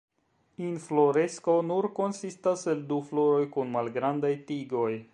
Infloresko nur konsistas el du floroj kun malgrandaj tigoj.